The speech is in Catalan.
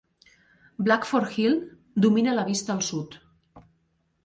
Blackford Hill domina la vista al sud.